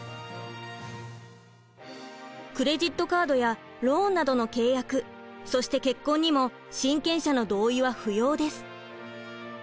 クレジットカードやローンなどの契約そして結婚にも親権者の同意は不要です。